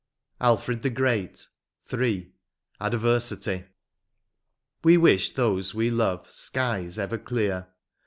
101 L. ALFRED THE GREAT. — III. ADVERSITY. We wish to those we love skies ever clear.